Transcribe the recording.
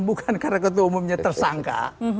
bukan karena ketua umumnya tersangka